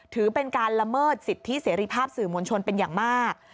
ถือเป็นการละเมิดสิทธิเสรีภาพสื่อมวลชนเป็นอย่างมาก